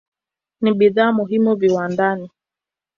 Ni bidhaa muhimu viwandani.